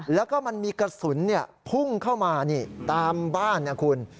แล้วก็มันมีกระสุนพุ่งเข้ามาตามบ้านนะคุณ